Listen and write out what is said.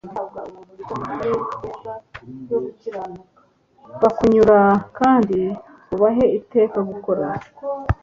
bakunyura kandi ubahe iteka gukora